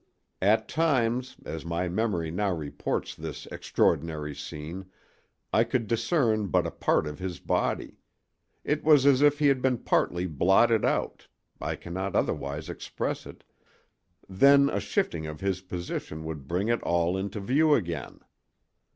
At times, as my memory now reports this extraordinary scene, I could discern but a part of his body; it was as if he had been partly blotted out—I cannot otherwise express it—then a shifting of his position would bring it all into view again.